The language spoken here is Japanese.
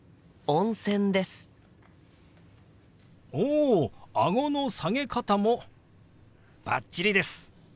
おあごの下げ方もバッチリです。